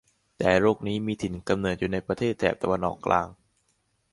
แต่โรคนี้มีถิ่นกำเนิดอยู่ในประเทศแถบตะวันออกกลาง